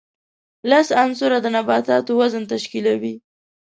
لس عنصره د نباتاتو وزن تشکیلوي.